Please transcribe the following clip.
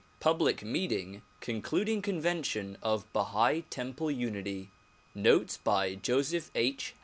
Public Meeting concluding Convention of Bahai Temple Unity. Notes by Joseph H.